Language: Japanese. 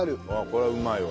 これはうまいわ。